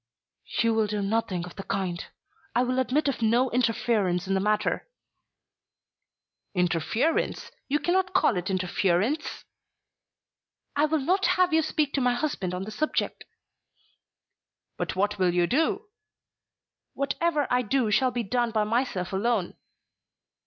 "You will do nothing of the kind. I will admit of no interference in the matter." "Interference! You cannot call it interference." "I will not have you to speak to my husband on the subject." "But what will you do?" "Whatever I do shall be done by myself alone."